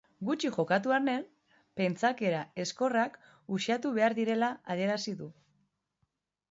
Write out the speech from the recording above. Gutxi jokatu arren pentsakera ezkorrak uxatu behar direla adierazi du.